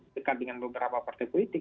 dekat dengan beberapa partai politik